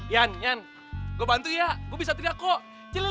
yan yan gue bantu ya gue bisa teriak kok